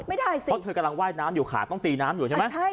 ไม่ได้สิเพราะเธอกำลังว่ายน้ำอยู่ขาต้องตีน้ำอยู่ใช่ไหมใช่